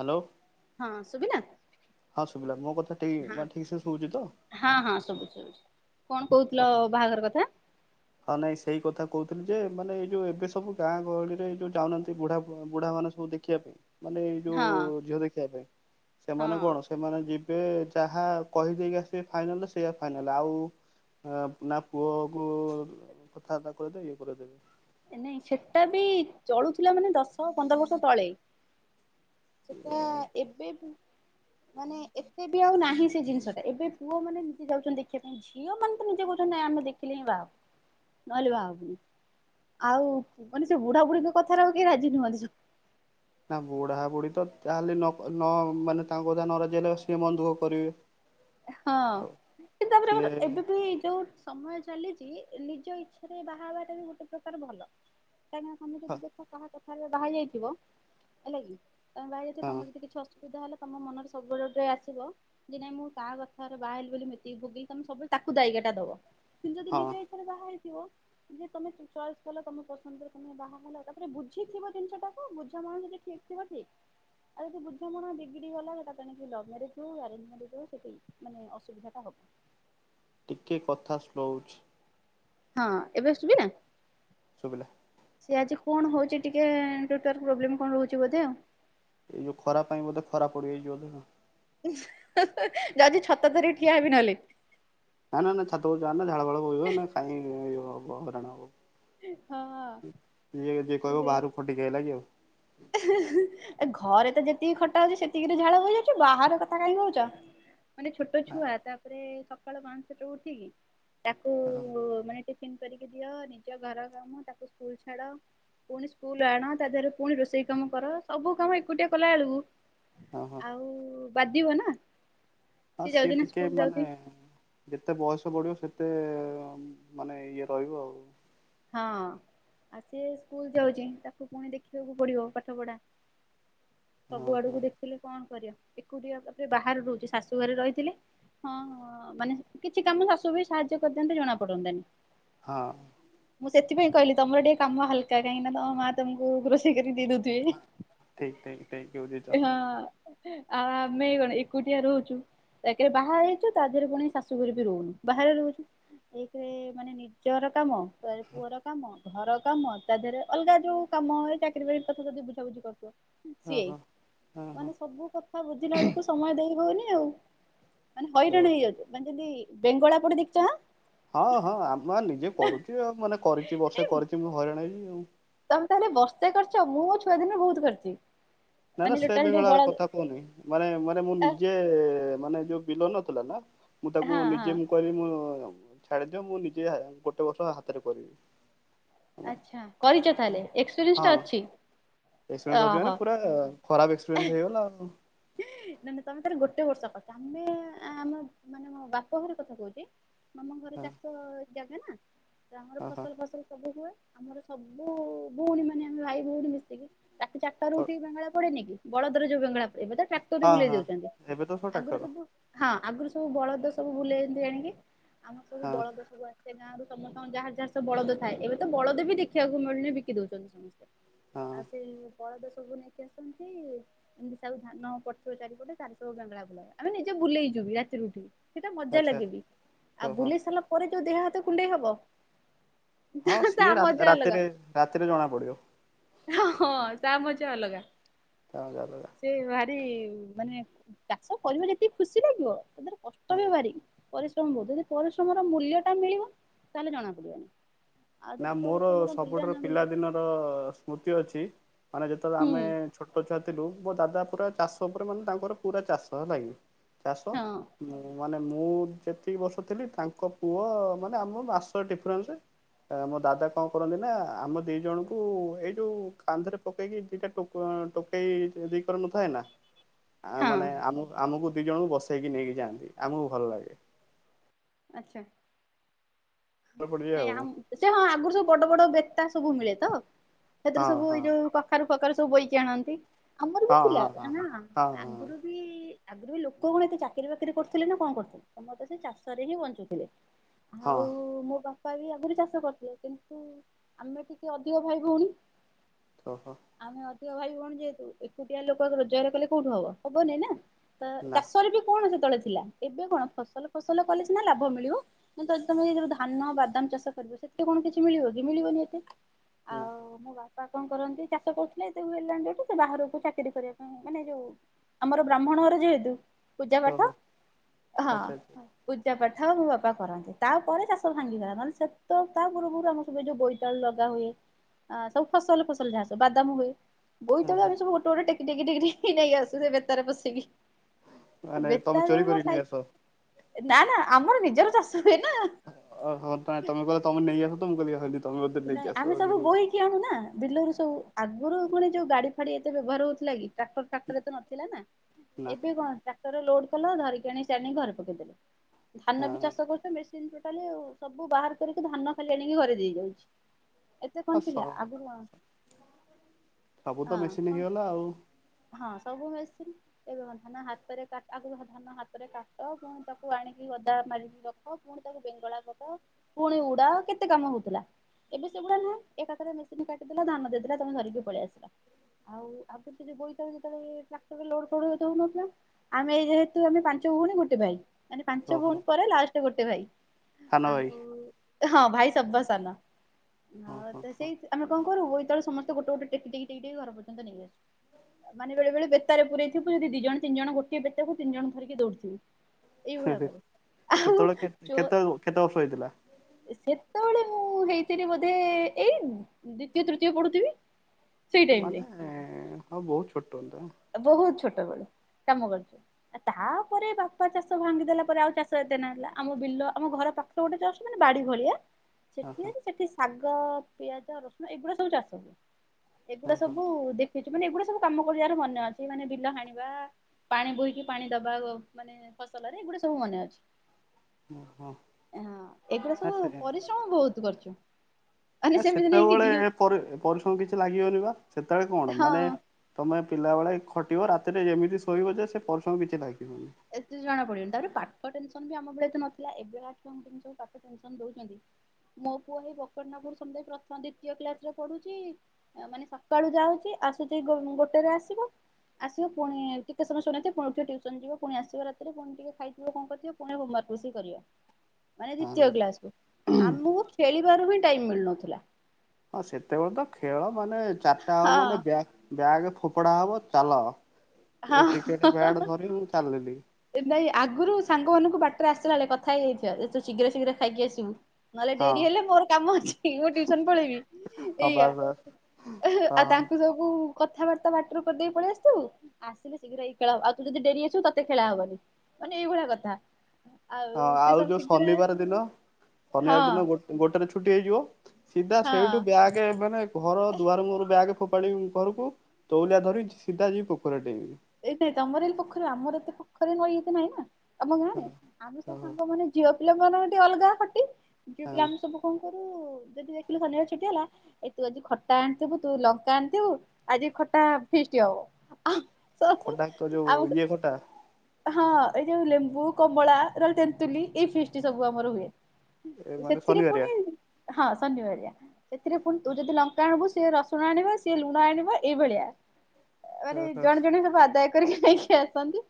Hello. ହଁ ଶୁବିଲା? ହଁ ଶୁବିଲା ମୋ କଥାଟି ମା ଠିକ୍ ସେ ଶୁବୁଚି ତ? ହଁ-ହଁ ଶୁବୁଚି ଶୁବିଚି କଣ କହୁଥିଲ ବାହାଘର କଥା? ହଁ ନାଇଁ ସେଇ କଥା କହୁଥିଲି ଯେ ମାନେ ଏଇ ଯୋଉ ଏବେ ସବୁ ଗାଁ ଗହଳି ରେ ଯୋଉ ଯାଉ ନାହାନ୍ତି ବୁଢା ବୁଢ଼ା ମାନେ ସବୁ ଦେ ଖିଆ ପାଇଁ ମାନେ ଏଇ ହଁ ଯୋଉ ଝିଅ ଦେଖିଆ ପାଇଁ ସେମାନେ କଣ ହଁ ସ୍ ସେମାନେ ଯିବେ ଯାହା କହି ଦେଇକି ଆସିବେ ଫାଇନାଲ୍ ସେଇଆ ଫାଇନାଲ୍ ଆଉ ନା ପୁଅ କୁ କଥାବାର୍ତ୍ତା [unintelligible] ଇଏ କରିଦେବେ। ଏ ନାଇଁ ସେଟା ବି ଚଳୁଥିଲା ମାନେ ଦଶ ପନ୍ଦର ବର୍ଷ ତଳେ। ସେଟା ଏବେ ମାନେ ଏତେ ବି ଆଉ ନାହିଁ ସେ ଜିନିଷ ଟା ଏବେ ପୁଅ ମାନେ ନିଜେ ଯାଉଚନ୍ତି ଦେଖିବା ପାଇଁ। ଝିଅ ମାନେ ତ ନିଜେ କହୁଚନ୍ତି ନାଇଁ ଆମେ ଦେ ଲ ବାବ ନହେଲେ ଭାବନି [inaudible] ଆଉ ମାନେ ସେ ବୁଢା ବୁଢୀ ବି କଥାରେ ଆଉ କେହି ରାଜି ନୁହଁନ୍ତିସବୁ। ନା ବୁଢା ବୁଢ଼ୀ ତ ଯାହେଲେ ନକ ନ ମାନେ ତାଙ୍କ କଥା ରେ ନ ରାଜି ହେଲେ ସିଏ ମନ ଦୁଃଖ କରିବେ। ହଁ ଆଉ ତାପରେ ସିଏ ଏବେ ବି ଯୋଉ ସମୟ ଚାଲିଚି ନିଜ ଇଚ୍ଛାରେ ବାହାହବାଟା ବି ଗୋଟେ ପ୍ରକାର ଭଲ। କାହିକନା ତମେ ଯଦି ଦେଖ କାହା କଥାରେ ବାହା ଯାଇଥିବ ହେଲା କିତମେ ବାହାହେଇ ଯାଇଥିବ ହଁ ତମର ଯଦି କିଛିଅସୁ ଅସୁବିଧା ହେଲେ ତମ ମନରେ ସବୁବେଳେ ଗୋଟେଆସିବ ଯେ ନାଇଁ ମୁଁ କାଁ କ ବାହାହେଇଗଲି ବୋଲି ମୁଦି ଫୁଦି ତାକୁ ସବୁ ତାକୁ ଦାୟିଗାଟା ଦବ। କିନ୍ତୁ ଯଦି ହଁ ନିଜ ଇଛାରେ ବାହାହେଇଥିବ ଯେ ତମେ ଚଏସ କଲ ତମେ ପସନ୍ଦରେ ତମେ ବାହା ହେଲ ତାପରେ ବୁଝିଥିବ ଜିନିଷ ଟାକୁ ବୁଝା ମଣା ଯଦି ଠିକ୍ ଥିବକି ଆଉ ଯଦି ବୁଝାମଣା ବିଗିଡି ଗଲା ସେଟା ତେଣିକିଲଭ ମ୍ୟାରେଜ ହୋଉ ଆରେଞ୍ଜ ମ୍ୟାରେଜ ହୋଉ ସେଠି ମାନେ ଅସୁବିଧା ଟା ହବ। ଟିକିଏ କଥା ସ୍ଲୋ ହୋଉଚି। ହଁ ଏବେ ଶୁଭିଲା? ଶୁଭିଲା। ସି ଆଜି କଣ ହୋଉଚି ଟିକିଏ ନେଟୱାର୍କ ପ୍ରୋବ୍ଲେମ୍ କଣ ରହୁଚିବୋଧେ ଆଉ। ଏଇ ଯୋଉ ଖରା ପାଇଁ ବୋଧେ ଖରା ପଡି ଯାଇଚି ବୋଧେ ନା। ଯଜି ଛତା ଧରିକି ଠିଆ ହେବି ନହେଲେ। ନା ନା ନା ଛାତ ଓପୋରକୁ ଯାନା ଝାଳ ଫାଳ ବୋହିବ ଏନେ କାଇଁ ଇଏ ହବ ହଇରାଣ ହବ। ହଁ ଇଏ ଯଦି କହିବ ସେଇ ବାହାରକୁ ଖଟି କି ଆଇଲାକି ଆଉ। ଏ ଘରେ ତ ଯେତିକି ଖଟା ହୋଉଚି ସେତିକିରେ ଝାଳ ବୋହିଯାଉଚି। ବାହାର କଥା କାଇଁ କହୁଚ। ମାନେ ଛୋଟ ନା ଛୁଆ ତାପରେ ସକାଳ ପାଞ୍ଚ ଟାରୁ ଉଠିକି ତାକୁ ହ [inaudible] ପୁଅ ପାଇଁ ଟିଫିନ୍ କରିକି ଦିଅ। ନିଜ ଘର କାମ ତାକୁ ସ୍କୁଲ ଛାଡ। ପୁଣି ସ୍କୁଲ ଆଣ ତାଦେହରେ ପୁଣି ରୋଷେଇ। ସେଇ କାମ କର ସବୁ କାମ ଏକୁଟିଆ କଲା ବେଳକୁ ହଁ ହଁ ଆଉ ବାଧିବ ନା। ଆଉ ସିଏ ଯାଉଛି ନା ଟିକିଏ ସ୍କୁଲ ଯାଉଛି ମାନେ ଯେତେ ବୟସ ବଢିବ ସେତେ ମାନେ ଇଏ ରହିବ ଆଉ। ହଁ ଆଜି ସ୍କୁଲ ଯାଉଚି ତାକୁ ପୁଣି ଦେଖିବାକୁ ପଡିବ ପାଠ ପଢା। ହଁ ସବୁ ହଁ ଆଡକୁ ଦେଖ କଣ କରିବା ଏକୁଟିଆତବି ବାହାରେ ରହୁଚୁ ଶାଶୁ ଘରେ ରହିଥିଲେ? ହଁ ହଁ ହଁ ମାନେ କିଛି କାମ ଶାଶୁ ବି ସାହାଯ୍ୟ କରିଥାନ୍ତେ ଜଣା ପଡନ୍ତାନି। ହଁ। ମୁଁ ସେଥିପାଇଁ କହିଲିତମର ଟିକିଏ କାମ ହାଲକା କାହିଁକିନା ତମ ମା ତମକୁ ରୋଷେଇ କରିକି ଦେଇ ଦୋଉଥିବେ। ହଁ ଠିକ ଠିକ ଠିକ ବୁଝିଛ ହଁ। ଆଉ ଆମେ କଣ ଏକୁଟିଆ ରହୁଚୁ। ଏକେରେ ବାହା ହେଇଚୁ ତା ଦେହରେପୁଣି ଶାଶୁଘରୁଯିବୁ। ବାହାରୁ ଏଇଥିରେ ମାନେ ନିଜର କାମ। ତାପରେପୁଅର କାମ। ଘର କାମ ତା ଦେହରେ ଅଲଗା ଯୋଉ କାମ ଏ ଚାକିରି ବାକିରି କଥା ଯଦି ବୁଝାବୁଝି କରୁଥୁବ। ହଁ ସିଏ ହଁ। ହଁ ହଁ ମାନେ ସବୁ କଥା ବୁଝିଲା ବେଳକୁ ସମୟ ଦେଇ ହୋଉନି ଆଉ। ମାନେ ହଇରାଣ ହେଇଯାଉଚି। ମାନେ ଯଦି ବେଙ୍ଗଳା କୋଉଠି ଦେଖିଚନା? ହଁ ହଁ ଆମେବା ନିଜେ କରୁଚି ଆଉ ମାନେ କରିଚି ନା ବର୍ଷେ କରିଚି ମୁଁ ହଇରାଣ ହେଲି ଆଉ। ତମେ ତାହେଲେ ବସ୍ତେ କରିଚ। ମୁଁ ଛୁଆ ଦିନେ ବହୁତ୍ କରିଚି। ନା ନା ସେ ବିମଳାର କଥାତ୍। କୁହନାଇ ମାନେ ମାନେ ମୁଁ ନିଜେ ମାନେ ଯୋଉ ବିଲ ନଥିଲା ନା ମୁଁ ତାକୁ ହଁ ହଁ ନିଜେ କରିବି ମୁଁ [unintelligible] ଛାଡ଼ିଦିଅ ମୁଁ ନିଜେ ହାଁ ଗୋଟେ ବର୍ଷ ହାତରେ କରିବି। ଆଚ୍ଛା କରିଛ ତାହଲେ ଏକ୍ସପେରିଏନ୍ସ ଟା ଅଛି। ଏକ୍ସପେରିଏନ୍ସ ଅଛି ମାନେ ଓହୋ ପୁରା ଖରାପ ଏକ୍ସପେରିଏନ୍ସ ହେଇଗଲା ଆଉ। ମାନେ ତମେ ତାର ଗୋଟେ ବର୍ଷ କରିଛ ଆମେ ଆମ ମାନେ ମୋ ବାପା ଘର କଥା କହୁଛି। ମାମୁଁ ଘରେ ହଁ ଚାଷ ଜାଗା ନା ତ ଆମର ହଁ ଫସଲ ଫସଲ ସବୁ ହୁଏ ଆମର ସବୁ ଭଉଣୀ ମାନେ ଆମେ ଭାଇ ଭଉଣୀ ମିଶିକି। ରାତି ଚାର ଟା ରୁ ହଁ। ଉଠି ବେଙ୍ଗଳା ପଡ଼େନି କି ବଳଦର ଯୋଉ ବେଙ୍ଗଳା ଏବେ ତ ଟ୍ରାକ୍ଟରରେ ହଁ ବୁଲେଇ ହଁ ଦଉଛନ୍ତି ଏବେ ତ ଆଗରୁ ଟ୍ରାକ୍ଟର ସବୁ ହଁ ଆଗରୁ ସବୁ ବଳଦ ସବୁ ବୁଲେଇନ୍ତି ଆଣିକି ଆମର ସବୁ ହଁ ବଳଦ ସବୁ ଆ ସେ ଗାଁ ରୁ ସମସ୍ତଙ୍କ ଯାହାର ଯାହାର ସବୁ ବଳଦ ଥାଏ ଏବେ ତ ବଳଦ ବି ଦେଖିବାକୁ ମିଳୁନି ବିକି ଦଉଛନ୍ତି ସମସ୍ତେ। ଆଉ ହଁ ସେଇ ବଳଦ ସବୁ ନେଇକି ଆସନ୍ତି। ତାକୁ ଧାନ ପଠ ଚାରିପଟେ [unintelligible] ବେଙ୍ଗଳା ବୁଲାୟା ଆମେ ନିଜେ ବୁଲେଇ ଯିବି ରାତିରୁ ଉଠିବି। ସେଇଟା ମଜା ଆଚ୍ଛା ଲାଗେ ବି ଆଉ ଓ ହଁ। ବୁଲେଇ ସାରିଲା ପରେ ଯୋଉ ଦେହ ହାତ କୁଣ୍ଡେଇ ହବ। ହଁ ତା ସିଏ ରା ମଜା -ରାତିରେ ରାତିରେ ଜଣା ପଡ଼ିବ। ହଁ ହଁ ତା ମଜା ଅଲଗା। ତା ମଜା ଅଲଗା। ସେ ଭାରି ମାନେ ଚାଷ କରିବ ଯେତିକି ଖୁସି ଲାଗିବ ତା ଦେହରେ କଷ୍ଟ ବି ଭାରି। ପରିଶ୍ରମ ବହୁତ ଯଦି ପରିଶ୍ରମର ମୂଲ୍ୟ ଟା ମିଳିବ ତାହେଲେ ଜଣା ପଡ଼ିବନି। ନା ମୋର ସବୁଠାରୁ ମିଳିଲା ପିଲାଦିନର ସ୍ମୃତି ଅଛି ମାନେ ଯେତେବେଳେ ହୁଁ ଆମେ ଛୋଟ ଛୁଆ ଥିଲୁ ମୋ ଦାଦା ପୁରା ଚାଷ ଉପରେ ମାନେ ତାଙ୍କର ପୁରା ଚାଷ ହେଲାକି ଚାଷ। ହଁ ମୁଁ ମାନେ ମୁଁ ଯେତିକି ବର୍ଷ ଥିଲି ତାଙ୍କ ପୁଅ ମାନେ ଆମ ବାସ ଡିଫରେନ୍ସ ତ ଆମ ଦାଦା କଣ କରନ୍ତି ନା ଆମ ଦି ଜଣଙ୍କୁ ଏଇ ଯୋଉ କାନ୍ଧରେ ପକେଇକି ଦିଟା ଟୋ କଣ ଟୋକେଇ ଦି କର ନଥାଏ ନା। ଆ ହଁ ମାନେ ଆମକୁ ଆମକୁ ଦିଇ ଜଣଙ୍କୁ ବସେଇକି ନେଇକି ଯାଆନ୍ତି ଆମକୁ ଭଲ ଲାଗେ। ଆଛା ମନେ ପଡିଯାଏ ନାଇଁ ଆମୁ ସେ ହଁ ଆଗରୁ ସବୁ ବଡ ବଡ ବେତା ସବୁ ମିଳେ ତ ସେଥିରେ ଆଉ ସବୁ ହଁ ଏଇ ଯୋଉ କ ଖାରୁ ଫକାରୁ ସବୁ ବୋଇକି ଆଣନ୍ତି ଆମର ବି ହଁ ଥିଲା ହଁ ହଁ ଆ ହଁ ନା ହଁ ଆଗରୁ ହଁ ବି ଆଗରୁ ବି ଲୋକ କଣ ଏତେ ଚାକିରି ବାକିରି କରୁଥିଲେ ନା କଣ କରୁଥିଲେ ସମତେ ତ ସେ ଚାଷ ରେ ହିଁ ବଞ୍ଚୁଥିଲେ। ଆଉ ହଁ। ମୋ ବାପା ବି ଆଗରୁ ଚାଷ କରୁଥିଲେ କିନ୍ତୁ ଆମେ ଟିକେ ଅଧିକ ଭାଇ ଭଉଣୀ। ଓହୋ। ଆମେ ଅଧିକ ଭାଇ ଭଉଣୀ ଯେହେତୁ ଏକୁଟିଆ ଲୋକ [unintelligible] ରୋଜଗାର କଲେ କୋଉଠୁ ହବ ହବ ନାଇଁ ନା। ତ ନା ଚାଷରେ ବି କଣ ସେତେବେଳେ ଥିଲା ଏବେ କଣ ଫସଲ ଫସଲ କଲେ ସିନା ଲାଭ ମିଳିବ। ନା ଯଦି ତମେ ଏଇ ଧର ଧାନ ବାଦାମ ଚାଷ କରିବ ସେଥିରେ କଣ କିଛି ମିଳିବ କି ମିଳିବନି ଏତେ। ନା ଆଉ ମୋ ବା ପା କଣ କରନ୍ତି ଚାଷ କରୁଥିଲେ ଏତେ ହୁ ହେଲାଣି ଯୋଉଠୁ ସେ ବାହାରକୁ ଚାକିରି କରିବା ପାଇଁ ମାନେ ଯୋଉ ଆମର ବ୍ରାହ୍ମଣର ଯେହେତୁ ପୂଜା ପାଠ ଓହୋ ଅହଁ ଆଚ୍ଛା ଆଚ୍ଛା ହ। ପୂଜା ପାଠ ଆଉ ମୋ ବାପା କରନ୍ତି ତାପରେ ଚାଷ ଭାଙ୍ଗିଗଲା ମାନେ ସେତ ତା ପୂର୍ବରୁ ଆମ ସବୁ ଏଇ ଯୋଉ ବୋଇ ତାଳୁ ଲଗା ହୁଏ ଆ ସବୁ ଫସଲ ଫସଲ ଯାହା ସବୁ ବାଦାମ ହୁଏ। ହଁ ବୋଇତାଳୁ ହଁ ଏବେ ସବୁ ଗୋଟେ ଗୋଟେ ଟେକି ଟେକି ଟେକି ଟେକି ନେଇ ଆସୁ ସେ ବେତାରେ ପସେଇକି। ମାନେ ବେତା ତମେ ଯୋଉ ଚୋରି ହ କରିକି ନେଇ ସାଇ ଆସ। ନା ନା ଆମର ନିଜର ଚାଷ ହୁଏ ନା। ଅ ହ ତମେ ତମେ କହିଲ ତମେ ନେଇ ଆସ ତ ମୁଁ କହିଲି ଅହ [unintelligible] ନାଇଁ ଆମେ ସବୁ ବୋହିକି ଆଣୁନା ବିଲରୁ ସବୁ ଆଗରୁ ପୁଣି ଯୋଉ ଗାଡ଼ି ଫାଡ଼ି ଏତେ ବ୍ୟବହାର ହଉଥିଲା କି। ଟ୍ରାକ୍ଟର ଫ୍ରାକ୍ଟର ଏତେ ନଥିଲା ନା ନା ଏବେ କଣ ଟ୍ରା ଟରରେ ଲୋଡ କଲ ଧରିକି ଆଣ ସେ ଆଣି ଘରେ ପକେଇ ଦେଲେ ଧାନ ବି ହଁ ଚାଷ କରୁଛନ୍ତୀ ବେଶ ସେଖାଲି ସବୁ ବାହାର କରିକି ଧାନ ଖାଲି ଆଣିକି ଘରେ ଦେଇ ଯାଉଛି। ସେ ଆ କଣ ଥିଲା ଆଗରୁ ହ ସବୁ ତ ମେସିନ୍ କ ହେଇଗଲା ଆଉ ହଁ ସବୁସି ଏବେନ୍ଧ ନା ହାତ ପରେ କ ଆଗଧ ଧାନ ହାତରେ କାଟ ପୁଣି ତାକୁ ଆଣିକି ଗଦା ମାରିକି ରଖ ପୁଣି ତାକୁ ବେଙ୍ଗଳା କର। ପୁଣି ଉୁଡା କେତେ କାମ ହଉଥିଲା। ଏବେ ସେଗୁଡଆ ନହଁ ଏକାଥରେ ମେସିନ କାଟିଦେଲା ଧାନ ଦେଇଦେଲା ତମେ ଧରିକି ପଳେଇ ଆସିଲା। ଆଉ ଆଗ ଯଉ ବୋଇ ଯେବେଳୋଟର ଲୋଡଉନଥିଲା। ଆମେଇ ଯେହେତୁ ଆମେ ପାଞ୍ଚ ଭଉଣୀ ଗୋଟେ ଭାଇ। ମାନେ ପାଞ୍ଚ ଓହୋ ଭଉଣୀ ପରେ ଲାଷ୍ଟ ଗୋଟେ ଭାଇ ସାନ ଭାଇ ଆଉ ହଁ ଭାଇ ସବା ସାନ। ହଁ ହଉ ହଁ ତ ହଁ ସେଇ ଆମେ କଣ କରୁ ଏତବେଳେସ୍ତେ ଗୋେ ଗୋଟେ ଟେକି ଟେକି ଟେି ଟକି ଘରର୍ନ୍ତ ନେଇ ଆସୁ। ହଁ। ମାନେବେଳେବେଳେ ବେତାରେ ପୁରରେ ଥିବ ଯିଦି ଦି ଜଣ ତିନିଜଣ ଗୋଟାଏ ବେତାକୁ ଦି ଜଣ ତିନି ଜଣ ଧରିକି ଦଉଡିବୁ। ଏଇଭଳିଆ କର ଆଉ ସେତେବେଳେ କେତେ ଜୋର। କେତେ କେତେ ବର୍ଷ ହେଇଥିଲା? ସେତେବେଳେ ମୁଁ ହେଇ। ସେ ବୋଧେ ଏଇ ଦ୍ଵିତୀୟ ତୃତୀୟ ପଢୁଥିବି। ସେଇ ଟାଇମରେ ମାନେ ବହୁତୁ ଛୋଟ। ବହୁତୁ ଛୋଟ ବେଳୁ କାମ କରୁଛୁ। ତାପରେ ବାପା ଚାଷ ଭାଙ୍ଗିଦେଲା ପରେ ଆଉ ଚାଷ ଏତେ ନାହିଁ ଆମ ବିଲ ଆମ ଘର ପାଖ।। ତ ଜଷ୍ଟ ଗୋଟେ ବାଡି ଭଳିଆ। ସେଠି ଓହୋ ହେଇଚି ସେଠି ଶାଗ ପିଆଜ ରସୁଣ ଏଇଗୁଡା ସବୁ ଚାଷ ହୁଏ। ଏଗୁଡା ଓହୋ ସବୁ ଦେଖିଛି ମାନେ ଏଗୁଡା ସବୁ କାମ କରିବା ର ମନେ ଅଛି। ମାନେ ବିଲ ହାଣିବା। ପାଣି ବୋହିକି ପାଣି ଦବା ମାନେ ଫସଲରେ ଏଗୁଡା ସବୁ ମନେ ଅଛି। ଓହୋ ହଁ ଏଗୁଡା ନା ସବୁ ସେ ପରିଶ୍ରମ ବହୁତ କରଛୁ। ନା ସେତେବେଳେ ପରିଶ୍ରମ କିଛି ଲାଗିବନି ବା ସେତେବେଳେ କଣ ହଁ ମାନେ। ତମେ ପିଲାବେଳେ ଖଟିବ ରାତିରେ ଏମିତି ଶୋଇବ ଯେ ସେ ପରରିଶମ କିଛି ଲାଗିବନି। ଏତେ ଜଣା ପଡିବନି ତାପରେ ପାଠ ପଢା ଟେନସନ ବି ଆମ ଭଳି ତ ନଥିଲା ଏବେ କା ଛୁଆ ମାନଙ୍କୁ ଯୋଉ ଟେନସନ ଦଉଛନ୍ତି। ମୋ ପୁଅ ଏଇ ବକଟ ନାଖୁରୁ ପ୍ରଥମ ଦ୍ୱିତୀୟ କ୍ଲାସ ରେ ପଢୁଛି। ମାନେ ସକାଳୁ ଯାଉଛି ଆସୁଛି ଗୋଟେରେ ଆସିବ। ଆସିବ ପୁଣି ଟିକେ ସମୟ ଶୁଇନଥିବ ପୁଣି ଉଠିବ ଟିଉସନ ଯିବ। ପୁଣି ଆସିବ ରାତିରେ ପୁଣି ଟିକେ ଖାଇଥିବ କଣ କରିଥିବ ପୁଣି ହୋମାର୍କ ବସିକି କରିବ। ମାନେ ଦ୍ଵିତୀୟ ହଁ କ୍ଲାସକୁ ଆମକୁ ଖେଳିବାର ବି ଟାଇମି ମିଳୁନଥିଲା। ହଁ ସେତେବେଳେ ତ ଖେଳ ମାନେ ଚାଟା ହବ ମାନେ ହଁ ବ୍ୟାକ୍। ବ୍ୟାଗ ଫୋପଡା ହବ ଚାଲ ହଁ ଏ କ୍ରିକେଟ ବ୍ୟାଡେ ଧରି ଲି ମୁଁ ଚାଲିଲି। ନାଇଁ ଆଗରୁ ସାଙ୍ଗମାନାନଙ୍କୁ ବାଟରେ ଆସିଲା ବେଳେ କଥା ହେଇଚାଲେ ଯେ ତୁ ଶୀଘ୍ର ଶୀଘ୍ର ଖାଇକି ଆସିବୁ। ନହେଲେ ହଁ ଡେରି ହେଲେ ମୋର କାମ ଅଛି ଟିଉସନ ପଳେଇବି। ହଁ ଏଇା। ବାସ୍ ବାସ୍ ହଁ। ହଁ ତାଙ୍କୁ ସବୁ କଥାବାର୍ତ୍ତା ବାଟରେ କରିଦେଇକି ପଳେଇ ଆସିଥିବୁ। ଆସିଲେ ଶୀଘ୍ର ଏଇ ଖେଳବ ଆଉ ତୁ ଯଦି ଡେରି ଆସିବୁ ତତେ ଖେଳା ହବନି ମାନେ ଏଇଳିଆ କଥା। ହଁ ସେ ଆଉ ସବୁ ଯୋଉ ଶୀଘ୍ର ଶନିବାର ଦିନ ହଁ ଶନିବାର ଦିନ ଗୋ ଗୋଟେ ଛୁଟି ହେଇଯିବ। ସିଧା ସେଇଠୁ ହଁ। ବ୍ୟାଗେ ମାନେ ଘର ଦୁଆର ମୋରୁ ବ୍ୟାଗେ ଫୋପାଡ଼ି ବୁ ଘରକୁ ତଉଲିଆ ଧରି ସିଧା ଯିବି ପୋଖରୀ ଡ଼େଇବୁ। ଏଇ ତେଇଁ ତମର ଏ ପୋଖରୀ ଆମର ଏତେ ପୋଖରୀ ନଈ ଏତେ ନାଇଁ ନା। ଆମ ଗାଁରେ ହଁ ଆମେ ସବୁ ହଁ ସାଙ୍ଗ ମାନେ ଝିଅ ପିଲା ମାନେ ଅଲଗା ଖଟି ଝିଅ ହଁ ପିଲା ଆମେ ସବୁ। ଅଗୁରୁ ଯଦି ଦେଖିଲୁ ଶନିବାରେ ଛୁଟି ହେଲା। ଏଇ ତୁ ଆଜି ଖଟା ଆଣିଥିବୁ ତୁ ଲଙ୍କା ଆଣିଥିବୁ ଆଜି ଖଟା ଫିଷ୍ଟି ହବ। ସବୁ ଖଟାଙ୍କ ଯୋଉ ଆଉ ଇଏ ଖଟା ହଁ ଏ ଯଉ ଲେମ୍ବୁ, କମଳା, ର ତେନ୍ତୁଲି ଏଇ ଫିଷ୍ଟି ସବୁ ଆମର ହୁଏ। ଏ ମାନେ ସେଥିରେ ଶନିବାରିଆ ପୁଣି ହଁ ଶନିବାରିଆ। ସେଥିରେ ପୁଣି ତୁ ଯଦି ଲଙ୍କା ଆଣିବୁ ସିଏ ରସୁଣ ଆଣିବା ସିଏ ଲୁଣ ଆଣିବା ଏଇଭଳିଆ। ମାନେ ହଁ ଜଣେ ଜଣେ ସବୁ ଆଦାୟ କରିକି ନେଇକି ଆସନ୍ତି।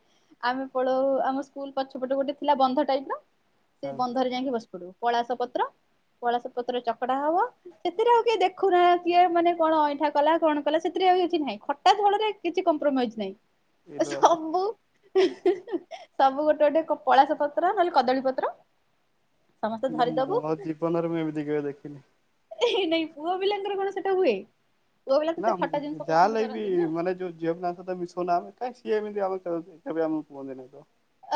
ଆମେ ପଳଉ ଆମ ସ୍କୁଲ ପଛପଟୁ ଗୋଟେ ଥିଲା ବନ୍ଧ ଟାଇପ ର ସେ ହଁ ବନ୍ଧରେ ଯାଇକି ବସିପଡୁ। ପଳାସ ପତ୍ର ପଳାସ ପତ୍ରଏ ଚକଡା ହବ। ସେଥିରେ ଆଉ କିଏ ଦେଖୁନା କିଏ ମାନେ କଣ ଅଇଁଠା କଲା କଣ କଲା ସେଥିରେ ଆଉ କିଛି ନାହିଁ। ଖଟା ଝୋଳରେ କିଛି କମ୍ପ୍ରୋମାଇଜି ନାହିଁ। ଇଲୋ ବାପ ସବୁ ସବୁ ଗୋଟେ ଗୋଟେ ପଳାସ ପତ୍ର ନହେଲେ କଦଳୀ ପତ୍ର ସମସ୍ତେ ନା ଧରିଦବୁ ମୋ ଜୀବନ ରେ ମୁଁ ଏମିତି କେବେ ଦେଖିନି। ନାଇଁ ପୁଅ ପିଲାଙ୍କର କଣ ସେଟା ହୁଏ? ପୁଅ ପିଲା ନାଁ ତତେ ଖଟା ଜିନିଷ ପସନ୍ଦ ଯାହାହେଲେ ବି କରନ୍ତିନି ନା ମାନେ ଯୋଉ ଝିଅ ପିଲାଙ୍କ ସହିତ ମିଶି ଥୁନୁ ଆମେ କାଇଁ ସିଏ ଏମିତି ଆମକୁ [unintelligible] କେବେ ଆମକୁ କୁହନ୍ତିନି ତ।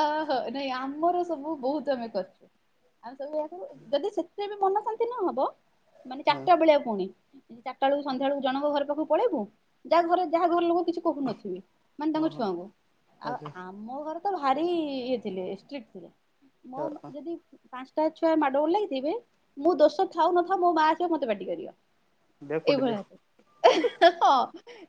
ଅହ ନାଇଁ ଆମର ସବୁ ବହୁତ ଆମେ କରିଚୁ ଆମେ ସବୁକୁ ଯଦି ସେ [unintelligible] ମନ ଶାନ୍ତି ନ ହବ ମାନେ ହଁ ଚାଟା ବେଳିଆ ପୁଣି। ଚାରିଟା ବେଳୁକୁ ସନ୍ଧ୍ୟା ବେଳୁକୁ ଜଣଙ୍କ ଘର ପାଖକୁ ପଳେଇବୁ। ଯାହା ଘରେ ଯାହା ଘର ଲୋକ କିଛି କହୁନଥିବେ। ମାନେ ତାଙ୍କ ଓହୋ ଛୁଆଙ୍କୁ ଆଚ୍ଛା ଆଉ ଆମ ଘରେ ତ ଭାରି ଇଏ ଥିଲେ ଷ୍ଟ୍ରିଟ ଥିଲେ। ମୋ ମ ହଁ ଯଦି ପାଞ୍ଚଟା ଛୁଆ ମାଡ ଗୋଳ ଲାଗିଥିବେ ମୁଁ ଦୋଷ ଥାଉ ନଥାଉ ମୋ ମା ଆସିବ ମତେ ପାଟି କରିବ। ଦିଅ କୁଟି ଦିଅ ଏଭଳିଆ ହଁ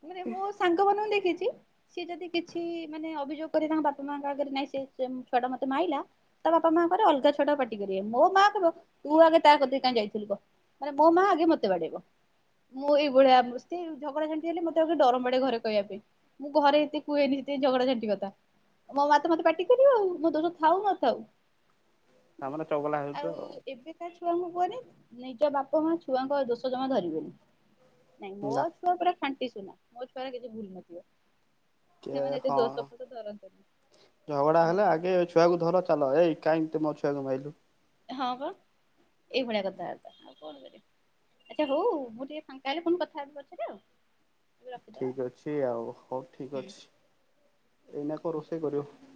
ମାନେ ମୋ ସାଙ୍ଗ ମାନଙ୍କୁ ଦେଖିଚି ସିଏ ଯଦି କିଛି ମାନେ ଅଭିଯୋଗ କରିବେ ତାଙ୍କ ବାପା ମା [unintelligible] ନାଇଁ ସେ ସେ ଛୁଆ ଟା ମତେ ମାଇଲା ତା ବାପା ମାଆ ଙ୍କ ର ଅଲଗା ଛୁଆଟାକୁ ପାଟି କରିବେ ମୋ ମା କହିବ ତୁ ଆଗେ ତା କତିକି କାହିଁ ଯାଇଥିଲୁ କହ। ମାନେ ମୋ ମା ଆଗେ ମତେ ବାଡେଇବ। ମୁଁ ଏଇଭଳିଆ ସେ ଝଗଡା ଝଣ୍ଟି ହେଲେ ମତେ ଆଗେ ଡରମାଡେ ଘରେ କହିବା ପାଇଁ। ମୁଁ ଘରେ ଏତେ କୁହେନି ସେଥିପାଇଁ ଝଗଡା ଝାଣ୍ଟିି କଥା। ମୋ ମା ତ ମତେ ପାଟିିିକରିବ ଆଉ ମୋ ଦୋଷ ଥାଉ ନଥାଉ। ତା ମାନେ ଚଗଲା ଆଉ ହେଉଚ। ଏବେକା ଛୁଆଙ୍କୁ କୁହନି ନିଜ ବାପା ମା ଛୁଆଙ୍କ ଦୋଷ ଜମା ଧରିବେନି। ନାଇଁ ମୋ ନା ଛୁଆ ପୁରା ଫାଣ୍ଟି ସୁନା ମୋ ଛୁଆ କିଛି ଭୁଲ ନଥିବ ସେମାନେ ଏତେ ଦୋଷ ଫୋଷ ଧର ଝଗଡା ହେଲେ ଆଗେ ଏ ଛୁଆକୁ ଧର ଚାଲ। ଏଇ କାହିଁକି ତୁ ମୋ ଛୁଆକୁ ମାଇଲୁ? ହଁ ବା ଏଇ ଭଳିଆ କଥାବାର୍ତା। ଆଚ୍ଛା ହଉ ମୁଁ ଟିକେ ଫାଙ୍କା ହେଲେ ପୁଣି କଥା ହେବି ପଛରେ ଆଉ। ଏବେ ରଖିଦବା। ଠିକ ଅଛି ଆଉ ହଉ ଠିକ ହୁଁ। ଅଛି। ଏଇନା କଣ ରୋଷେଇ କରିବ?